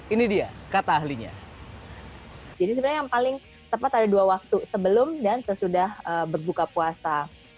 ini dia kata ahlinya jadi sebenarnya yang paling tepat ada dua waktu sebelum dan sesudah berbuka puasa